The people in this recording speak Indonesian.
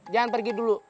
jangan pergi dulu